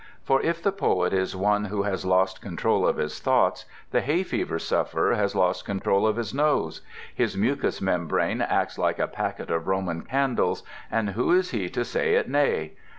For if the poet is one who has lost control of his thoughts, the hay fever sufferer has lost control of his nose. His mucous membrane acts like a packet of Roman candles, and who is he to say it nay?